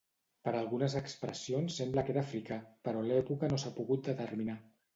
Per algunes expressions sembla que era africà però l'època no s'ha pogut determinar.